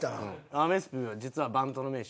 アメスピーは実はバントの名手。